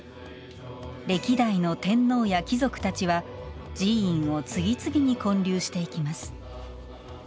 歴代の天皇や貴族たちは寺院を次々に建立していきます。